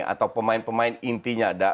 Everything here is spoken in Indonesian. atau pemain pemain intinya